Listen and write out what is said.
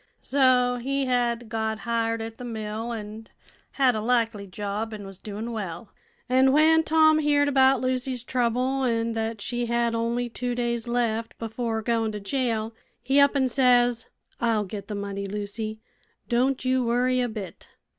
So he had got hired at the mill, an' had a likely job, an' was doin' well. An' when Tom heerd about Lucy's trouble, an' thet she had only two days left before goin' to jail, he up an' says: 'I'll get the money, Lucy: don' you worry a bit.'